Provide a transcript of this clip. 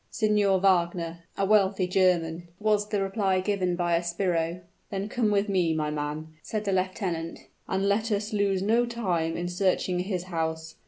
"Signor Wagner, a wealthy German," was the reply given by a sbirro. "Then come with me, my man," said the lieutenant; "and let us lose no time in searching his house.